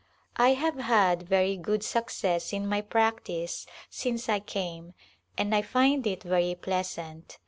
I have had very good success in my practice since I came and I find it very pleasant.